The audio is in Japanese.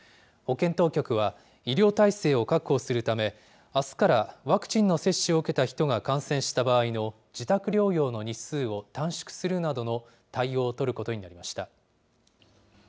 保健当局は、医療体制を確保するため、あすからワクチンの接種を受けた人が感染した場合の自宅療養の日数を短縮するなどの対応を取ることになりました。